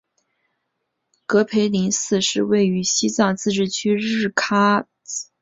格培林寺是位于西藏自治区日喀则市白朗县巴扎乡觉杰村的一座藏传佛教寺院。